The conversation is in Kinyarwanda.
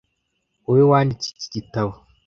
Wowe wanditse iki gitabo?